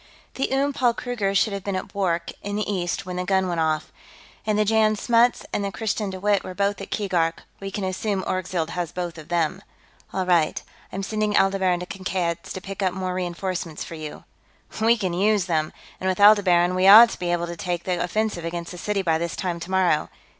The Oom Paul Kruger should have been at Bwork, in the east, when the gun went off. And the Jan Smuts and the Christiaan De Wett were both at Keegark; we can assume Orgzild has both of them." "All right. I'm sending Aldebaran to Kankad's, to pick up more reenforcements for you." "We can use them! And with Aldebaran, we ought to be able to take the offensive against the city by this time tomorrow.